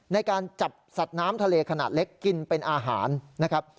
ในการจับสัตว์น้ำทะเลขนาดเล็กกินเป็นอาหารนะครับ